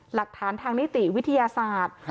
หลักฐานทางนิติวิทยาศาสตร์